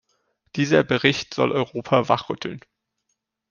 Dieser Bericht soll Europa wachrütteln.